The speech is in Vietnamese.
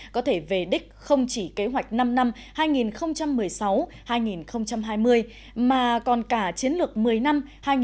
có thể về đích không chỉ kế hoạch năm năm hai nghìn một mươi sáu hai nghìn hai mươi mà còn cả chiến lược một mươi năm hai nghìn một mươi một hai nghìn hai mươi